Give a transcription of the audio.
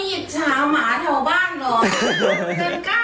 เดือนเก้าอ่ะเต็มเลย